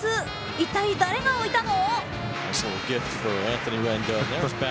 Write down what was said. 一体、誰が置いたの？